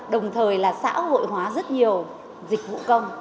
đồng thời là xã hội hóa rất nhiều dịch vụ công